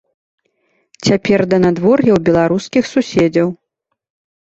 Цяпер да надвор'я ў беларускіх суседзяў.